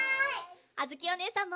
あづきおねえさんも！